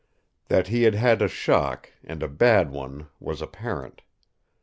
That he had had a shock, and a bad one, was apparent.